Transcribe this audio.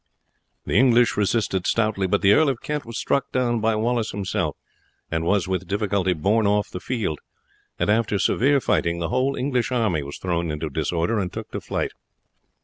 The English resisted stoutly; but the Earl of Kent was struck down by Wallace himself, and was with difficulty borne off the field; and after severe fighting, the whole English army was thrown into disorder and took to flight.